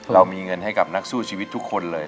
เรามีเงินให้กับนักสู้ชีวิตทุกคนเลย